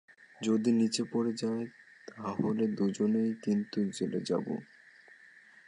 যদি নিচে পড়ে যায়, তাহলে দুজনেই কিন্তু জেলে যাব।